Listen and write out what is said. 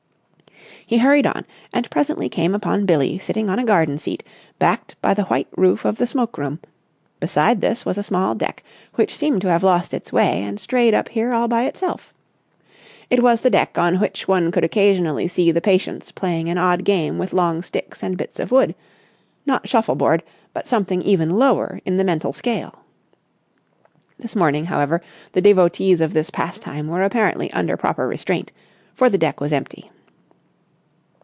He hurried on, and presently came upon Billie sitting on a garden seat, backed by the white roof of the smoke room; beside this was a small deck which seemed to have lost its way and strayed up here all by itself. It was the deck on which one could occasionally see the patients playing an odd game with long sticks and bits of wood—not shuffleboard but something even lower in the mental scale. This morning, however, the devotees of this pastime were apparently under proper restraint, for the deck was empty.